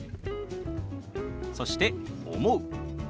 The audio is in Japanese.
そして「思う」。